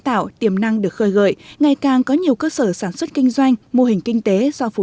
tạo tiềm năng được khơi gợi ngày càng có nhiều cơ sở sản xuất kinh doanh mô hình kinh tế do phụ